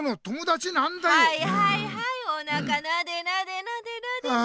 はいはいはいおなかなでなでなで。